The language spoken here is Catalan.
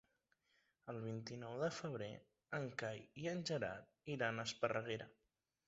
El vint-i-nou de febrer en Cai i en Gerard iran a Esparreguera.